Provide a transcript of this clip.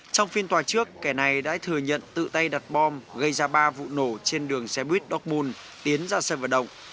trong phiên tòa trước kẻ này đã thừa nhận tự tay đặt bom gây ra ba vụ nổ trên đường xe buýt dobmun tiến ra sân vận động